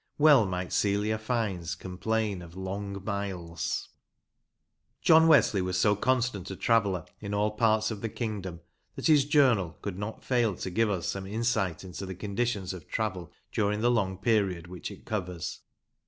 Well might Celia Fiennes complain of " long " miles ! John Wesley was so constant a traveller in all parts of the kingdom that his Journal could not fail to give us some insight into the conditions of travel during the long period which it covers.